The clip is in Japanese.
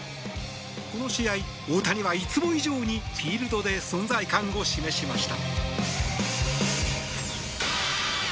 この試合、大谷はいつも以上にフィールドで存在感を示しました。